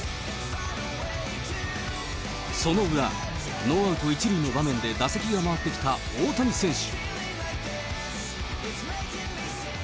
その裏、ノーアウト１塁の場面で打席が回ってきた大谷選手。